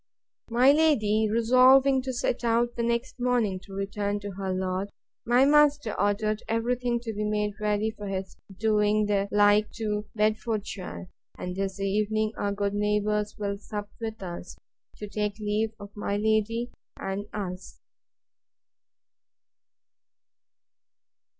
My lady resolving to set out the next morning to return to her lord, my master ordered every thing to be made ready for his doing the like to Bedfordshire; and this evening our good neighbours will sup with us, to take leave of my lady and us.